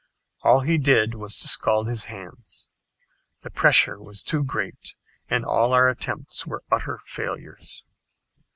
All he did was to scald his hands. The pressure was too great, and all our attempts were utter failures.